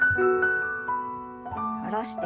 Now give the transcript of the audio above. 下ろして。